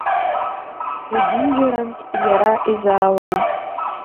Зегьынџьарантә Иара изаауан.